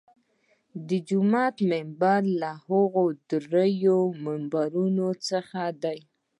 د جومات منبر له هغو درېیو منبرونو څخه دی.